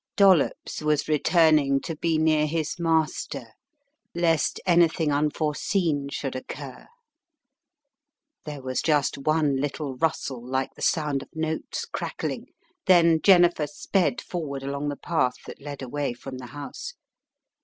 Dollops was returning to be near his master, lest anything unforeseen should occur. There was just one little rustle like the sound of notes crackling. Then Jennifer sped forward along the path that led away from the house.